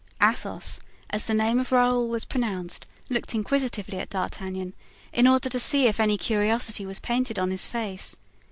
Athos, as the name of Raoul was pronounced, looked inquisitively at D'Artagnan, in order to see if any curiosity was painted on his face.